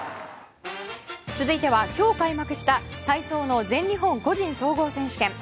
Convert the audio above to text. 続いては今日開幕した体操の全日本個人総合選手権。